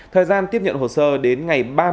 thời gian tiếp nhận hồ sơ đến ngày ba mươi